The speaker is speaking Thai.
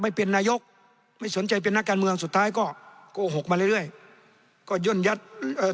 ไม่เป็นนายกไม่สนใจเป็นนักการเมืองสุดท้ายก็โกหกมาเรื่อยเรื่อยก็ย่นยัดเอ่อ